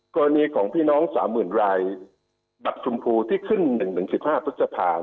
กรณีของพี่น้อง๓๐๐๐รายบัตรชมพูที่ขึ้น๑๑๕พฤษภา